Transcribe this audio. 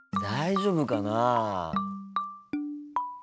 大丈夫かなあ。